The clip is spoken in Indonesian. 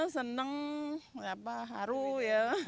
seneng haru ya